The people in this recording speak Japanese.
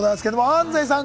安斉さん